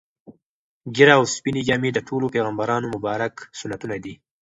ږیره او سپینې جامې د ټولو پیغمبرانو مبارک سنتونه دي.